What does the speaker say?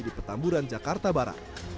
di petamburan jakarta barat